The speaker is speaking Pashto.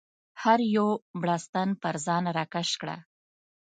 هر یو بړستن پر ځان راکش کړه.